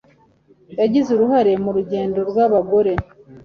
Yagize uruhare mu rugendo rwabagore